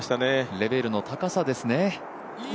レベルの高さですね。